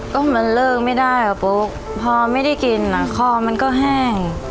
ก็มันเลิกไม่ได้อ่ะปุ๊กพอไม่ได้กินคอมันก็แห้ง